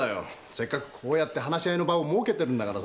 せっかくこうやって話し合いの場を設けてるんだからさ。